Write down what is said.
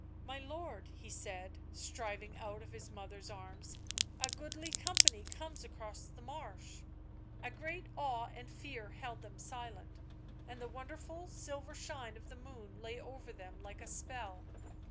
" My lord," he said, striving out of his mother's arms, " a goodly company comes across the marsh " A great awe and fear held them silent, and the won derful silver shine of the moon lay over them like a spell.